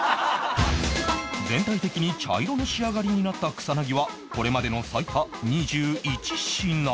全体的に茶色の仕上がりになった草薙はこれまでの最多２１品